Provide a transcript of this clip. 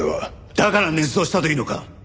だから捏造したというのか！？